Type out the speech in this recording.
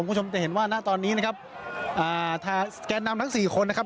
คุณผู้ชมจะเห็นว่าณตอนนี้นะครับอ่าทางแกนนำทั้งสี่คนนะครับ